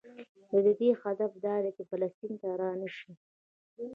د دوی هدف دا دی چې فلسطین ته رانشي.